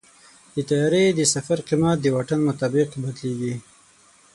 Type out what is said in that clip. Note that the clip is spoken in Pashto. د طیارې د سفر قیمت د واټن مطابق بدلېږي.